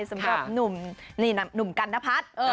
สำหรับหนุ่มกันนพัฒน์